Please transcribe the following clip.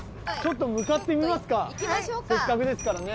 ちょっと向かってみますか。